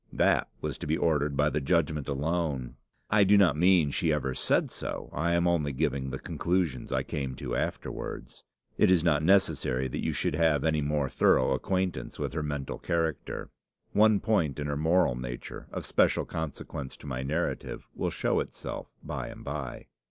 That was to be ordered by the judgment alone. I do not mean she ever said so. I am only giving the conclusions I came to afterwards. It is not necessary that you should have any more thorough acquaintance with her mental character. One point in her moral nature, of special consequence to my narrative, will show itself by and by.